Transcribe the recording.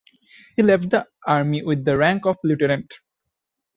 He left the army with the rank of lieutenant.